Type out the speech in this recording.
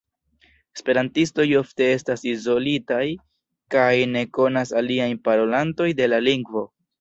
Esperantistoj ofte estas izolitaj kaj ne konas aliajn parolantojn de la lingvo.